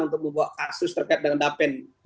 untuk membawa kasus terkait dengan dapen